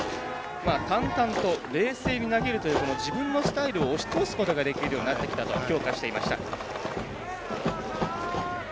淡々と冷静に投げるというこの自分のスタイルを押し通すことができるようになってきたと評価していました。